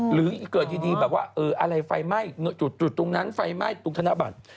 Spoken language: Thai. หรือเกิดดีแบบว่าอะไรไฟไหม้จุดตรงนั้นไฟไหม้ตรงธนบัตร